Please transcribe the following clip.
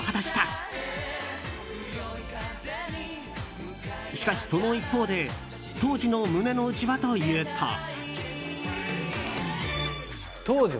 しかし、その一方で当時の胸の内はというと。